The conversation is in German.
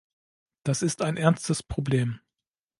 Das ist ein ernstes Problem.